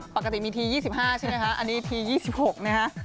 ปกติมีที๒๕ใช่ไหมคะอันนี้ที๒๖นะฮะ